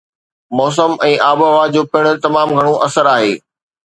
موسم ۽ آبهوا جو پڻ تمام گهڻو اثر آهي